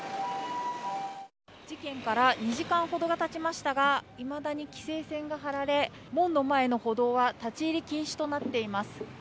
事件から２時間ほどがたちましたがいまだに規制線が張られ門の前の歩道は立ち入り禁止となっています。